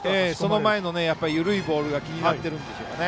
その前の緩いボールが気になっているんでしょうね。